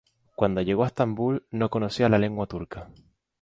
Cuando llegó a Estambul, no conocía la lengua turca.